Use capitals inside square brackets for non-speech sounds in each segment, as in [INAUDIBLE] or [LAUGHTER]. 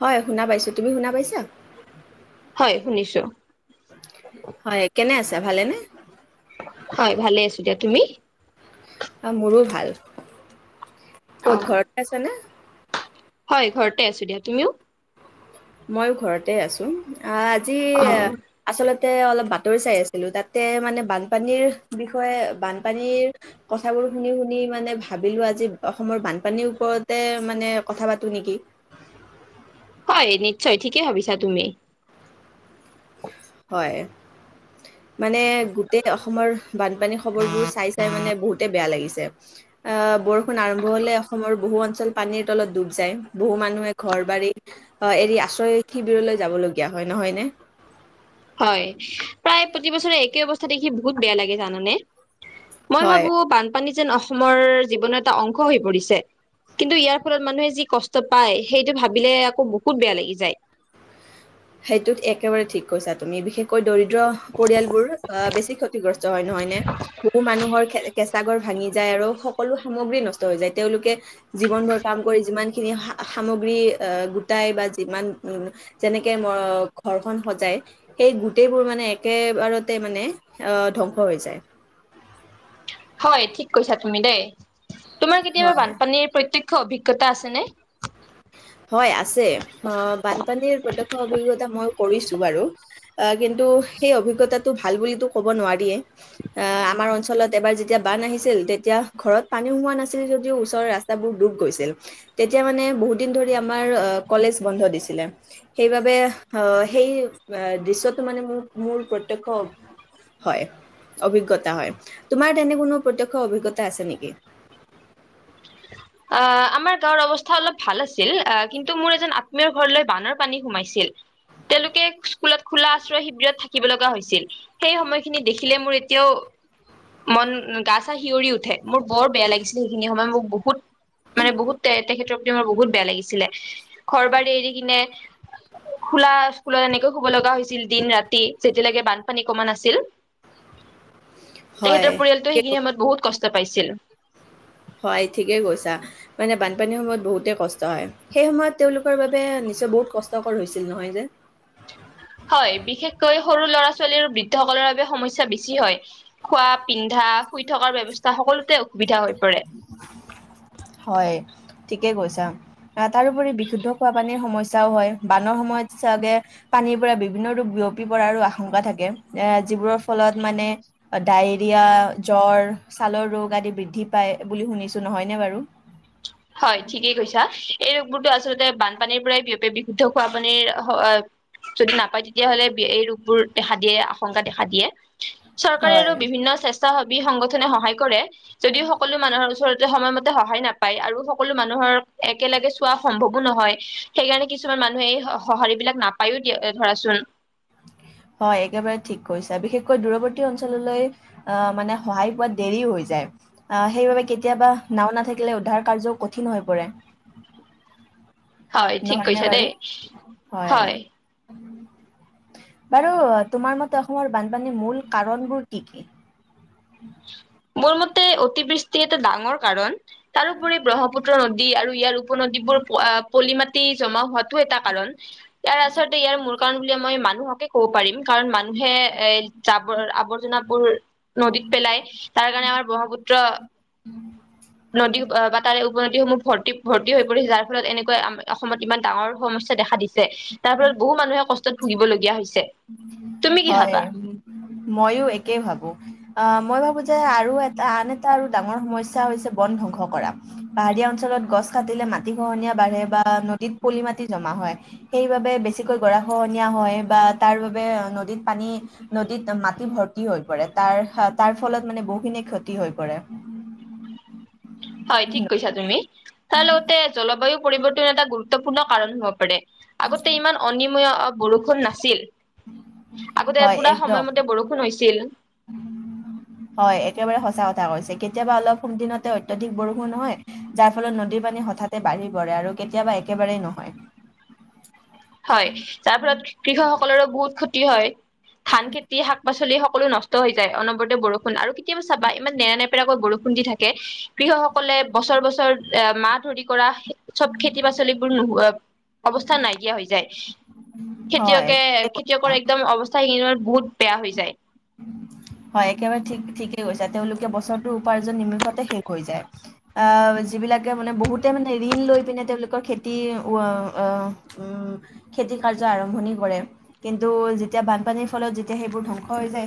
হয় শুনা পাইছোঁ, তুমি শুনা পাইছা? হয় শুনিছোঁ। হয় কেনে আছা ভালেনে? হয় ভালে আছোঁ দিয়া, তুমি? অ', মোৰো ভাল। ক'ত ঘৰতে আছা নে? হয় ঘৰতে আছোঁ দিয়া। তুমিও? মইয়ো ঘৰতে আছোঁ আ‌ আজি আচলতে অলপ বাতৰি চাই আছিলোঁ, তাতে মানে বানপানীৰ বিষয়ে বানপানীৰ কথাবোৰ শুনি-শুনি মানে ভাবিলোঁ আজি অসমৰ বানপানীৰ ওপৰতে মানে কথা পাতো নেকি। হয় নিশ্চয়, ঠিকেই ভাবিছা তুমি। হয় মানে গোটেই অসমৰ বানপানী খবৰবোৰ চাই-চাই মানে বহুতে বেয়া লাগিছে। আহ বৰষুণ আৰম্ভ হ'লে অসমৰ বহু অঞ্চল পানীৰ তলত ডুব যায়, বহু মানুহে ঘৰ বাৰী ঘৰ এৰি আশ্ৰয় শিবিৰলৈ যাব লগীয়া হয়, নহয় নে? হয় প্ৰায় প্ৰতিবছৰে একে অৱস্থা দেখি বহুত বেয়া লাগে জানানে। মই হয়। ভাবোঁ বানপানী যেন অসমৰ জীৱনৰ এটা অংশ হৈ পৰিছে। কিন্তু ইয়াৰ ফলত মানুহে যি কষ্ট পায়, সেইটো ভাবিলে আকৌ বহুত বেয়া লাগি যায়। সেইটোত একেবাৰে ঠিক কৈছা তুমি, বিশেষকৈ দৰিদ্ৰ পৰিয়ালবোৰ বেছি ক্ষতিগ্ৰস্ত হয়, নহয় নে? বহু মানুহৰ কেঁচা ঘৰ ভাঙি যায় আৰু সকলো সামগ্ৰী নষ্ট হৈ যায়। তেওঁলোকে জীৱনভৰ কাম কৰি যিমান খিনি সামগ্ৰী আহ গোটাই বা যিমান যেনেকে কে ঘৰখন সজাই সেই গোটেইবোৰ মানে একেবাৰতে মানে অ' ধ্বংস হৈ যায়। হয়, ঠিক কৈছা তুমি দেই। তোমাৰ কেতিয়াবা হয় বানপানীৰ প্ৰত্যক্ষ অভিজ্ঞতা আছেনে? হয় আছে, অ' বানপানীৰ প্ৰত্যক্ষ অভিজ্ঞতা মই কৰিছোঁ বাৰু, আ কিন্তু সেই অভিজ্ঞতাটো ভাল বুলিটো ক'ব নোৱাৰিয়েই। আহ আমাৰ অঞ্চলত এবাৰ যেতিয়া বান আহিছিল, তেতিয়া ঘৰত পানীও সোমোৱা নাছিল যদিও ওচৰৰ ৰাস্তা সেইবোৰ ডুব গৈছিল, তেতিয়া মানে বহুত দিন ধৰি আমাৰ কলেজ বন্ধ দিছিলে। সেইবাবে অ' সেই দৃশ্যটো মানে মোৰ-মোৰ প্ৰত্যক্ষ হয়, অভিজ্ঞতা হয়। তোমাৰ তেনে কোনো প্ৰত্যক্ষ অভিজ্ঞতা আছে নেকি? অ' আমাৰ গাঁৱৰ অৱস্থা অলপ ভাল আছিল, কিন্তু মোৰ এজন আত্মীয় ঘৰলৈ বানৰ পানী সোমাইছিল। তেওঁলোকে স্কুলত খোলা আশ্ৰয় শিবিৰত থাকিব লগা হৈছিল। সেই সময়খিনি দেখিলে মোৰ এতিয়াওঁ মন, গা চা শিঞৰি উঠে, মোৰ বৰ বেয়া লাগিছিলে, সেইখিনি সময়ত মোক বহুত মানে বহুত তে তেখেতৰ প্ৰতি মোৰ বহুত বেয়া লাগিছিলে, ঘৰ-বাৰী এৰি কিনে খোলা স্কুলত এনেকৈ শুব লগা হৈছিল দিন ৰাতি, যেতিয়ালৈকে বানপানী কমা নাছিল। তেখেতৰ পৰিয়ালটোৱে হয়। সেইখিনি সময়ত বহুত কষ্ট পাইছিল। হয় ঠিকেই কৈছা, মানে বানপানীৰ সময়ত বহুতেই কষ্ট হয়। সেই সময়ত তেওঁলোকৰ বাবে নিশ্চয় বহুত কষ্টকৰ হৈছিল নহয় নে। হয়, বিশেষকৈ সৰু ল'ৰা-ছোৱালীৰ আৰু বৃদ্ধসকলৰ বাবে সমস্যা বেছি হয়। খোৱা, পিন্ধা, শুই থকাৰ ব্যৱস্থা সকলোতে অসুবিধা হৈ পৰে। হয় ঠিকেই কৈছা আহ তাৰোপৰি বিশুদ্ধ খোৱা পানীৰ সমস্যাও হয় বানৰ সময়ত চাগে পানীৰ পৰা বিভিন্ন ৰোগ বিয়পি পৰাৰো আশংকা থাকে এ যিবোৰৰ ফলত মানে ডায়েৰিয়া জ্বৰ ছালৰ ৰোগ আদি বৃদ্ধি পায় বুলি শুনিছো নহয়নে বাৰু হয় ঠিকেই কৈছা এই ৰোগবোৰতো আচলতে বানপানীৰ পৰাই বিয়পি বিশুদ্ধ খোৱা পানীৰ হ যদি নাপায় তেতিয়াহ'লে এই ৰোগবোৰ দেখা দিয়ে আশংকা দেখা দিয়ে চৰকাৰে আৰু হয়। বিভিন্ন স্বেচ্ছাসেৱী সংগঠনে সহায় কৰে যদিও সকলো মানুহৰ ওচৰত ত সময়মতে সহায় নাপায় আৰু সকলো মানুহৰ একেলগে চোৱা সম্ভৱো নহয় সেইকাৰণে কিছুমান মানুহে এই স সঁহাৰি বিলাক নাপ পায়ো দিয়া ধৰাচোন হয় একেবাৰে ঠিক কৈছা বিশেষকৈ দূৰৱৰ্তী অঞ্চললৈ আহ মানে সহায় পোৱাত দেৰি হৈ যায় অ সেইবাবে কেতিয়াবা নাওঁ নাথাকিলে উদ্ধাৰ কাৰ্য কঠিন হৈ পৰে হয় ঠিক নহয়নে কৈছা দেই বাৰু হয় বাৰু তোমাৰ মতে অসমৰ বানপানীৰ মূল কাৰণবোৰ কি কি মোৰ মতে অতিবৃষ্টি এটা ডাঙৰ কাৰণ তাৰোপৰি ব্ৰহ্মপুত্ ত্ৰৰ নদী আৰু ইয়াৰ উপনদীবোৰ পলি মাটি জমা হোৱাত টো এটা কাৰণ ইয়াৰ আচলতে ইয়াৰ মূল কাৰণ বুলি মই মানুহকে ক'ব পাৰিম কাৰণ মানুহে এ জাবৰ আৱৰ্জনাবোৰ নদীত পেলাই তাৰ কাৰণে আমাৰ ব্ৰহ্মপুত্ৰ উম নদী বা তাৰে উপনদীসমূহ ভৰ্তি ভৰ্তি হৈ পৰিছে যাৰ ফলত এনেকুৱা আম অ অসমত ইমান ডাঙৰ সমস্যা দেখা দিছে তাৰ ফলত বহু মানুহে কষ্টত ভুগিবলগীয়া হৈছে তুমি কি হয় ভাবা? মইও একে ভাবো আহ মই ভাবো যে আৰু এটা আন এটা আৰু ডাঙৰ সমস্যা হৈছে বন ধ্বংস কৰা পাহাৰীয়া অঞ্চলত গছ কাটিলে মাটিখহনীয়া বাঢ়ে বা নদীত পলি মাটি জমা হয়। সেইবাবে বেছিকৈ গৰাখহনিয়া হয় বা তাৰ বাবে নদীত পানী নদীত মাটি ভৰ্তি হৈ পৰে তাৰ-তাৰ ফলত মানে বহুখিনি ক্ষতি হৈ পৰে। হয় ঠিক কৈছা তুমি তাৰ লগতে জলবায়ু পৰিৱৰ্তন এটা গুৰুত্বপূৰ্ণ কাৰণ হব পাৰে আগতে ইমান অনিময় বৰষুণ নাছিল আগতে হয় পুৰা একদম সময়মতে বৰষুণ হৈছিল হয় একেবাৰে সঁচা কথা কৈছে কেতিয়াবা অলপ কম দিনতে অত্যধিক বৰষুণ হয় যাৰ ফলত নদীৰ পানী হঠাতে বাঢ়ি পৰে আৰু কেতিয়াবা একেবাৰেই নহয় হয় তাৰ ফলত কৃষকসকলৰো বহুত ক্ষতি হয় ধান খেতি শাক পাচলি সকলো নষ্ ষ্ট হৈ যায় অনবৰতে বৰষুণ আৰু কেতিয়াবা চাবা ইমান নেৰা নেপেৰাকৈ বৰষুণ দি থাকে। কৃষকসকলে বছৰ বছৰ এ মাহ ধৰি কৰা সে চব খেতি পাচলিবোৰ নোহোৱা অৱস্থা নাইকিয়া হৈ যায় হয় খেতিয়কে ঠিকেই কৈছা। খেতিয়কৰ একদম অৱস্থা সেইত বহুত বেয়া হৈ যায় হয় একেবাৰে ঠিক ঠিকেই কৈছা তেওঁলোকে বছৰটোৰ উপাৰ্জন নিমিখতে শেষ হৈ যায় আহ যিবিলাকে মানে বহুতে মানে ঋণ লৈ পিনে তেওঁলোকৰ খেতি উৱা আহ উম খেতি কাৰ্য আৰম্ভণি কৰে কিন্তু যেতিয়া বানপানীৰ ফলত যেতিয়া সেইবোৰ ধ্বংস হৈ যায়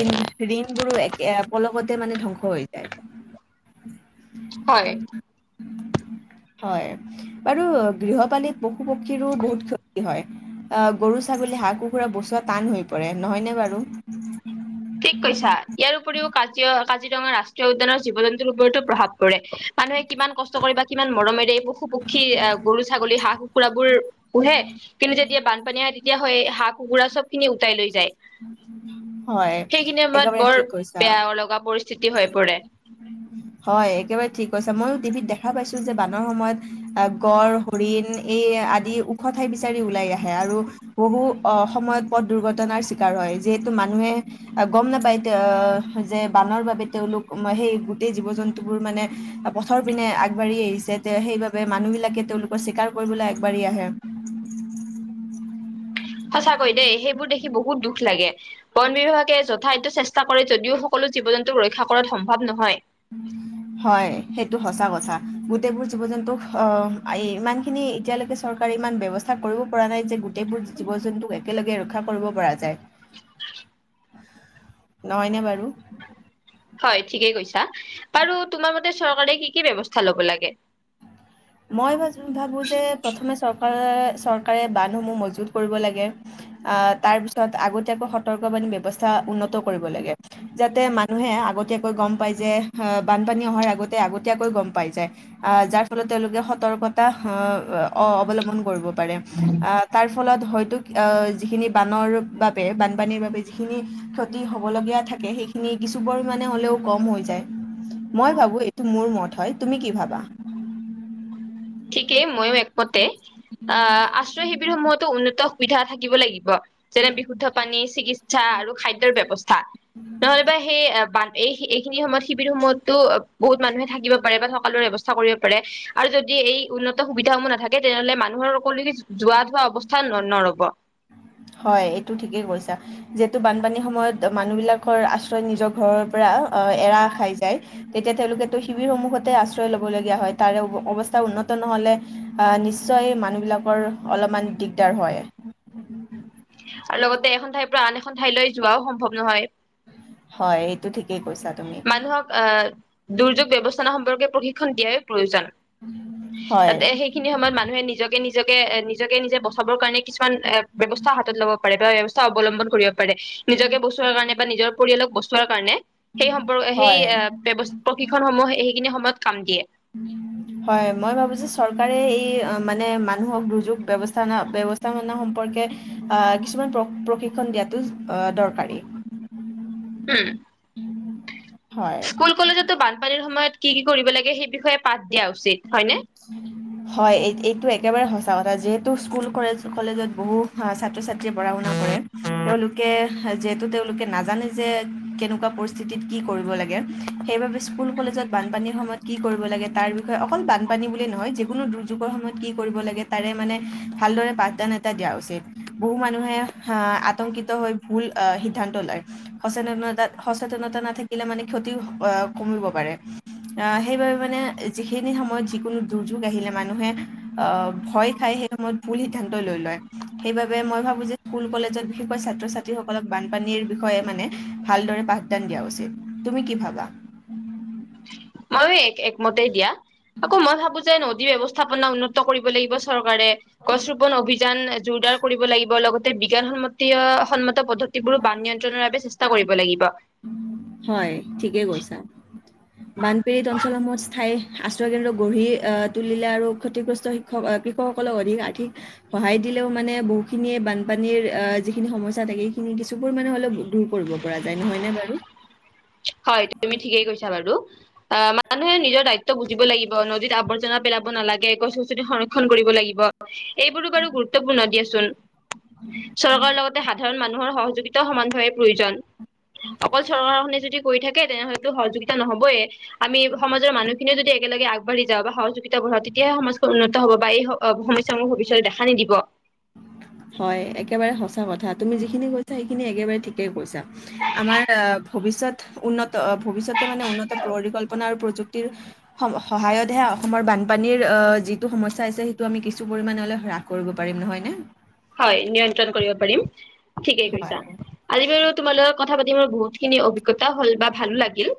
ঋণ ঋণ বোৰো একে আ পলকতে মানে ধ্বংস হৈ যায় হয় হয় বাৰু গৃহপালিত পশু পক্ষীৰো বহুত ক্ষতি হয়। অ, গৰু ছাগলী হাঁহ কুকুৰা বচোৱা টান হৈ পৰে নহয়নে বাৰু? ঠিক কৈছা ইয়াৰ উপৰিও কাজ কাজিৰঙা ৰাষ্ট্ৰীয় উদ্যানৰ জীৱ জন্তুৰ ওপৰতো প্ৰভাৱ পৰে। মানুহে কিমান কষ্ট কৰি বা কিমান মৰমেৰে পশু, পক্ষী, গৰু, ছাগলী, হাঁহ কুকুৰা বোৰ পোহে। কিন্তু যেতিয়া বানপানী আহে তেতিয়া হয় হাঁহ কুকুৰা চব খিনি উটাই লৈ যায়- হয়। সেইখিনি সময়ত একেবাৰে বৰ ঠিক বেয়া‌ লগা পৰিস্থিতি হৈ পৰে। উম। হয় একেবাৰে ঠিক কৈছে মইো টিভিত দেখা পাইছো যে বানৰ সময়ত গঁড় হৰিণ এই আদি ওখ ঠাই বিচাৰি ওলাই আহে আৰু বহু অ' সময়ত পথ দুৰ্ঘটনাৰ চিকাৰ হয় যিহেতু মানুহে গম নাপাই এতি যে বানৰ বাবে তেওঁলোক সেই গোটেই জীৱ জন্তুবোৰ মানে পথৰ পিনে আগবাঢ়ি আহিছে। সেইবাবে মানুহ বিলাকে তেওঁলোকৰ চিকাৰ কৰিবলৈ আগবাঢ়ি আহে। সঁচাকৈ দেই সেইবোৰ দেখি বহুত দুখ লাগে বন বিভাগে য ঠাইতো চেষ্টা কৰে যদিও সকলো জীৱ জন্তুক ৰক্ষা কৰাত সম্ভৱ নহয়। উম। হয় সেইটো সঁচা কথাা গোটেইবোৰ জীৱ জন্তুক আহ, ইমান খিনি এতিয়ালৈকে চ ইমান ব্যৱস্থা কৰিব পৰা নাই যে গোটেইবোৰ জীৱ জন্তুক একেলগে ৰক্ষা কৰিব পৰা যায়। নহয়নে বাৰু? হয় ঠিকেই কৈছা বাৰু তোমাৰ মতে চৰকাৰে কি কি ব্যৱস্থা ল'ব লাগে? মই ভ ভাবোঁ যে প্ৰথমে চৰকাৰ চৰকাৰে বান্ধসমূহ মজবুত কৰিব লাগে। আহ তাৰ পিছত আগতীয়াকৈ সতৰ্ক বাণী ব্যয়ৱস্থা উন্নত কৰিব লাগে। যাতে মানুহে আগতীয় গম পাই যে বানপানী অহাৰ আগতে আগতীয়াকৈ গম পাই যায় আহ, যাৰ ফলত তেওঁলোকে সতৰ্কতা আহ, অৱলম্বন কৰিব পাৰে আহ। তাৰ ফলত হয়তো যিখিনি বানৰ বাবে বানপানীৰ বাবে যিখিনি হ'বলীয়া থাকে সেইখিনি কিছু পৰিমাণে হ'লেও কম হৈ যায়। মই ভাবো এইটো মোৰ মত হয় তুমি কি ভাবা? ঠিকেই ময়ো একমতে। আশ্ৰয় শিবিৰ সমূহতো উন্নত সুবিধা থাকিব লাগিব। যেনে বিশুদ্ধ পানী, চিকিৎসা আৰু খাদ্যৰ ব্যৱস্থা। নহ'লেবা সেই এই এইখিনি সময়ত শিবিৰ সময়ততো বহুত মানুহে থাকিব পাৰে বা সকলোৰে ব্যৱস্থা কৰিব পাৰে আৰু যদি এই উন্নত সুবিধাসমূহ নাথাকে তেনেহ'লে মানুহৰ [UNINTELLIGIBLE] যোৱা থোৱা অৱস্থা ন নৰ'ব। হয় এইটো ঠিকেই কৈছা। যিহেতু বানপানীৰ সময়ত মানুহবিলাকৰ আশ্ৰয় নিজৰ ঘৰৰ পৰা আহ এৰা খাই যায়। তেতিয়া তেওঁলোকেতো শিবিৰ সমূহতে আশ্ৰয় লব লগীয়া হয় তাৰে অৱস্থা উন্নত নহ'লে আহ, নিশ্চয় মানুহ বিলাকৰ অলপমান দিগদাৰ হয়। আৰু লগতে এখন ঠাইৰ পৰা আন এখন ঠাইলৈ যোৱাও সম্ভৱ নহয়। হয় এইটো ঠিকেই কৈছা তুমি। মানুহক আহ, দুৰ্যোগ ব্যৱস্থানৰ সম্পৰ্কে প্ৰশিক্ষণ দিয়াই প্ৰয়োজন। হয়, তাতেই সেইখিনি সময়ত মানুহে নিজকে নিজকে নিজকে নিজে বচাবৰ কাৰণে কিছুমান ব্যৱস্থা হাতত ল'ব পাৰে বা ব্যৱস্থা অৱলম্বন কৰিব পাৰে, নিজকে বচোৱাৰ কাৰণে বা নিজৰ পৰিয়ালক বচোৱাৰ কাৰণে, সেই সম্পৰ্কে সেই হয়। [UNINTELLIGIBLE] প্ৰশিক্ষণ সমূহ সেইখিনি সময়ত কাম দিয়ে। হয় মই ভাবো যে চৰকাৰে এই মানে মানুহক দুৰ্যোগ ব্যৱস্থান ব্যৱস্থা [UNINTELLIGIBLE] সম্পৰ্কে আহ, কিছুমান প্ৰ-প্ৰশিক্ষণ দিয়াটো আহ দৰকাৰী। [INAUDIBLE] উম। উম, হয়। স্কুল কলেজতো বানপানীৰ সময়ত কি কি কৰিব লাগে সেই বিষয়ে পাঠ দিয়া উচিত হয়নে। [INAUDIBLE] হয় এই এইটো একেবাৰে সঁচা কথা যিহেতু স্কুল কলেছ-কলেজত বহু ছাত্ৰ ছাত্ৰীয়ে পঢ়া শুনা কৰে তেওঁলোকে যিহেতু তেওঁলোকে নাজানে যে কেনেকুৱা পৰিস্থিতিত কি কৰিব লাগে, সেইবাবে স্কুল কলেজত বানপানীৰ সময়ত কি কৰিব লাগে তাৰ বি অকল বানপানী বুলিয়ে নহয় যিকোনো দুৰ্যোগৰ সময়ত কি কৰিব লাগে তাৰে মানে ভালদৰে পাঠদান এটা দিয়া উচিত। বহু মানুহে আহ, আতংকিত হৈ ভুল আহ, সিদ্ধান্ত লয়। সচেতনতা, সচেতনতা নাথাকিলে মানে ক্ষতি আহ, কমিব পাৰে। অ' সেইবাবে মানে যিখিনি সময়ত যিকোনো দুৰ্যোগ আহিলে মানুহে আহ, ভয় খাই সেই সময়ত ভুল সিদ্ধান্ত লৈ লয়। সেইবাবে মই ভাবো যে স্কুল কলেজত বিশেষকৈ ছাত্ৰ ছাত্ৰী সকলক বানপানীৰ বিষয়ে মানে ভালদৰে পাঠ দান দিয়া উচিত, তুমি কি ভাবা? মইও এক একমতেই দিয়া, আকৌ মই ভাবো যে নদী ব্যৱস্থাপনা উন্নত কৰিব লাগিব চৰকাৰে। গছ ৰোপন অভিযান জোৰদাৰ কৰিব লাগিব লগতে বিজ্ঞান সন্মতি সন্মত পদ্ধ এইবোৰ বান নিয়ন্ত্ৰণৰ বাবে চেষ্টা কৰিব লাগিব। হয় ঠিকে কৈছা, বানপিৰিত অঞ্চলসমূহত স্থায়ী আশ্ৰয় কেন্দ্ৰ গঢ়ি আহ, তুলিলে আৰু ক্ষতিগ্ৰস্ত শিক্ষক আহ, কৃষকসকলক অধিক আৰ্থিক সহায় দিলেও মানে বহুখিনিয়ে বানপানীৰ অ' যিখিনি সমস্যা থাকে খিনি কিছু পৰিমাণে হ'লেও দূৰ কৰিব পৰা যায় নহয় নে বাৰু। হয়, তুমি ঠিকেই কৈছা বাৰু। অ' মানুহে নিজৰ দায়িত্ব বুজিব লাগিব, নদীত আৱৰ্জনা পেলাব নালাগে, গছ গছনি সংৰক্ষণ কৰিব লাগিব। এইবোৰো বাৰু গুৰুত্বপূৰ্ণ দিয়াচোন, চৰকাৰৰ লগত সাধাৰণ মানুহৰ সহযোগিতাও সমানভাৱ প্ৰয়োজন, অকল চৰকাৰখনে যদি কৰি থাকে তেনেহ'লেতো সহযোগিতা নহ'বয়ে, আমি সমাজৰ মানুহ খিনিও যদি একেলগে আগ আগবাঢ়ি যাওঁ বা সহযোগিতা বঢ়াওঁ তেতিয়াহে সমাজখন উন্নত হ'ব বা এই অ' সমস্যাসূহ ভৱিষ্যতে দেখা নিদিব। হয় একেবাৰে সঁচা কথা তুমি যিখিনি কৈছা সেইখিনি একেবাৰে ঠিকে কৈছা। আমাৰ অ' ভৱিষ্যত উন্নত ভৱিষ্যতে মানে উন্নত পৰিকল্পনা আৰু প্ৰযুক্তিৰ সম-সহায়তহে অসমৰ বানপানীৰ অ' যিটো সমস্যা আছে সেইটো আমি কিছু পৰিমাণলৈ হ্ৰাস কৰিব পাৰিম নহয়নে। হয় নিয়ন্ত্ৰণ কৰিব পাৰিম, ঠিকেই হয়। কৈছা। আজি বাৰু তোমাৰ লগত কথা পাতি মোৰ বহুত খিনি অভিজ্ঞা হ'ল বা ভালো লাগিল।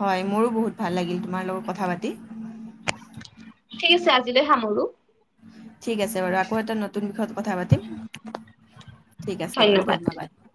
হয় মোৰো বহুত ভাল লাগিল তোমাৰ লগত কথা পাতি। ঠিক আছে আজিলৈ সামৰোঁ। ঠিক আছে বাৰু আকৌ এটা নতুন বিষয়ত কথা পাতিম। ঠিক আছে বাৰু ধন্যবাদ।